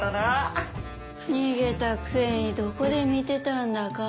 逃げたくせにどこで見てたんだか。